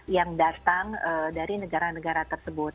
yang datang dari negara negara tersebut